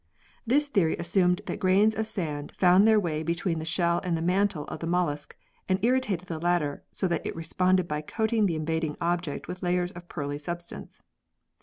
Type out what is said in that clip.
This theory assumed that grains of sand found their way between the shell and the mantle of the mollusc and irritated the latter so that it responded by coating the invading object with layers of pearly substance.